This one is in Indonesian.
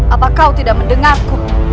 apa kau tidak mendengarku